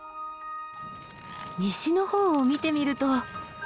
西の方を見てみると。